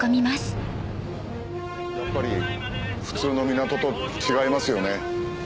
やっぱり普通の港と違いますよね。